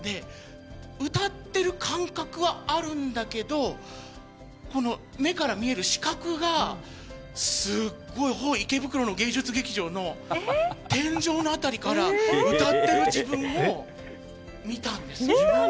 歌ってる感覚はあるんだけど目から見える視覚がすごい、池袋の芸術劇場の天井の辺りから歌っている自分を見たんですよ。